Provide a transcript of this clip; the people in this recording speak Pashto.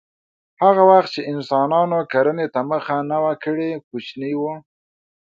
هغه وخت چې انسانانو کرنې ته مخه نه وه کړې کوچني وو